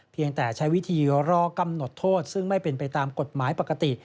แต่ใช้วิธีรอกำหนดโทษซึ่งไม่เป็นไปตามกฎหมายปกติ